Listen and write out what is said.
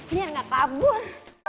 biar gak tabur